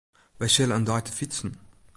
Wy sille in dei te fytsen.